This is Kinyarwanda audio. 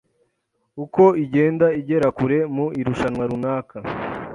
uko igenda igera kure mu irushanwa runaka,